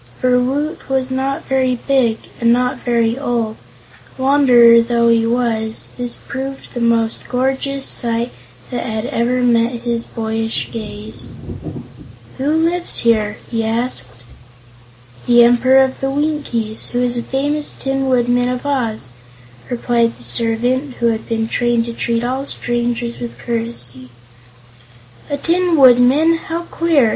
For Woot was not very big and not very old and, wanderer though he was, this proved the most gorgeous sight that had ever met his boyish gaze. "Who lives here?" he asked. "The Emperor of the Winkies, who is the famous Tin Woodman of Oz," replied the servant, who had been trained to treat all strangers with courtesy. "A Tin Woodman? How queer!"